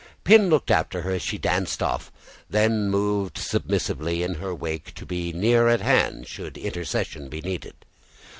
Pin looked after her as she danced off, then moved submissively in her wake to be near at hand should intercession be needed.